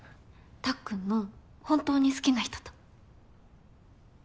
たっくんの本当に好きな人と。